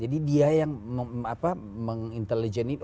jadi dia yang meng intelligent